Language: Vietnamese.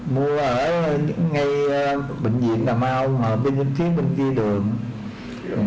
mua ở những ngày bệnh viện cà mau ở bên dân thiết bệnh viện đường